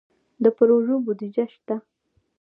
د پروژو بودیجه شته؟